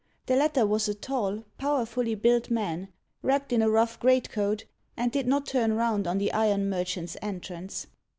The latter was a tall, powerfully built man, wrapped in a rough greatcoat, and did not turn round on the iron merchant's entrance.